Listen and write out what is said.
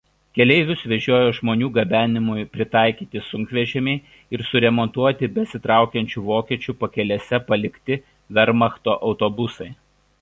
Keleivius vežiojo žmonių gabenimui pritaikyti sunkvežimiai ir suremontuoti besitraukiančių vokiečių pakelėse palikti vermachto autobusai.